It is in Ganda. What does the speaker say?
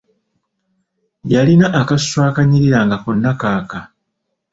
Yalina akasusu akanyirira nga konna kaaka!